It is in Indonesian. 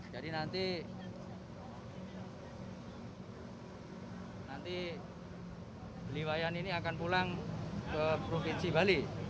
jadi nanti iwayan ini akan pulang ke provinsi bali